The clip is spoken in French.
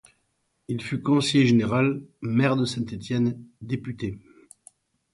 Il fut conseiller général, maire de Saint-Étienne, député.